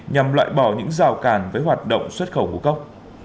nhằm loại bỏ những rào cản với hoạt động xuất khẩu ngũ cốc